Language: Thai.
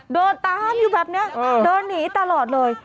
เดินตามอยู่แบบนี้เดินหนีตลอดเลย